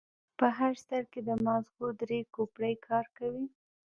په هر سر کې د ماغزو درې کوپړۍ کار کوي.